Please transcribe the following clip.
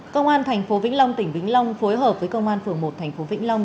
công an tp vĩnh long tỉnh vĩnh long phối hợp với công an phường một tp vĩnh long